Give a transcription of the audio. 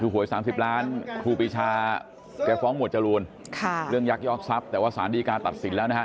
หวย๓๐ล้านครูปีชาแกฟ้องหมวดจรูนเรื่องยักยอกทรัพย์แต่ว่าสารดีการตัดสินแล้วนะฮะ